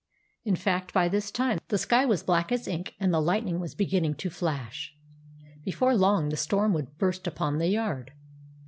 In fact, by this time, the sky was black as ink, and the lightning was begin ning to flash. Before long the storm would burst upon the yard.